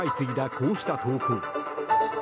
こうした投稿。